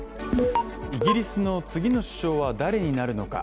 イギリスの次の首相は誰になるのか。